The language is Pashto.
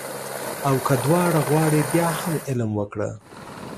او که دواړه غواړې بیا هم علم وکړه